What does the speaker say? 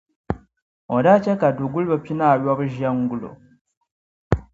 o daa chɛ ka duguliba pinaayɔbu ʒe n-guli o.